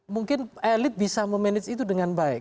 mungkin elit bisa memanage itu dengan baik